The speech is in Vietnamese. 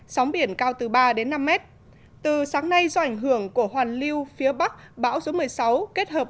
sóng biển cao từ ba đến năm mét từ sáng nay do ảnh hưởng của hoàn lưu phía bắc bão số một mươi sáu kết hợp